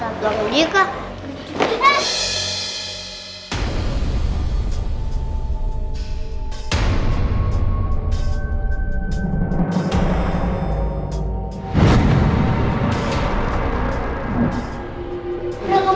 perl kamu gak apa apa perl